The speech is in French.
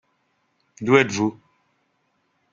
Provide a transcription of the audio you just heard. D'où êtes-vous ?